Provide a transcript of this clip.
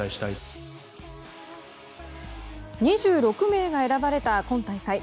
２６名が選ばれた今大会。